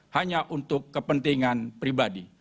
hanya untuk kepentingan pribadi